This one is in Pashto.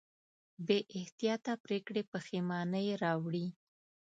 بېاحتیاطه پرېکړې پښېمانۍ راوړي.